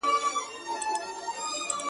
د هوی و های د محفلونو د شرنګاه لوري